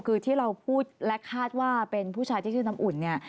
คือที่เราพูดและคาดว่าเป็นผู้ชายที่ชื่อน้ำอุ่นเนี่ย